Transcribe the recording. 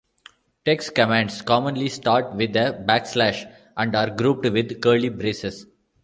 TeX commands commonly start with a backslash and are grouped with curly braces.